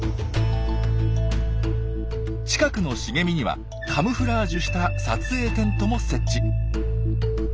近くの茂みにはカムフラージュした撮影テントも設置。